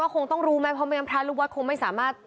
คงต้องรู้ไหมเพราะแมพระลูกบัสคงไม่สามารถ